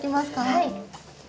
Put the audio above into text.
はい。